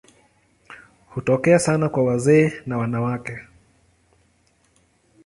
Hutokea sana kwa wazee na wanawake.